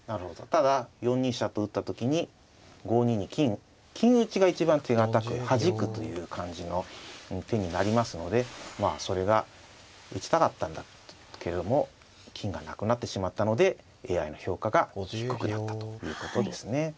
ただ４二飛車と打った時に５二に金金打ちが一番手堅くはじくという感じの手になりますのでまあそれが打ちたかったんだけども金がなくなってしまったのでＡＩの評価が低くなったということですね。